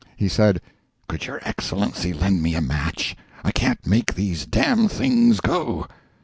He said: "Could your Excellency lend me a match? I can't make these d—d things go."